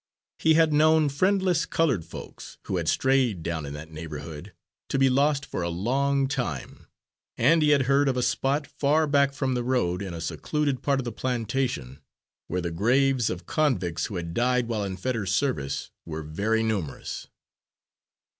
He had known friendless coloured folks, who had strayed down in that neighbourhood to be lost for a long time; and he had heard of a spot, far back from the road, in a secluded part of the plantation, where the graves of convicts who had died while in Fetters's service were very numerous.